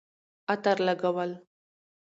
عطر لګول